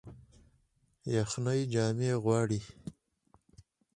یخني جامې غواړي